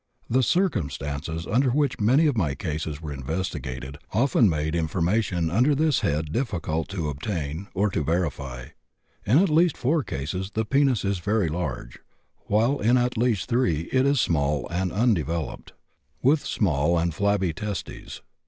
The circumstances under which many of my cases were investigated often made information under this head difficult to obtain, or to verify. In at least 4 cases the penis is very large, while in at least 3 it is small and undeveloped, with small and flabby testes.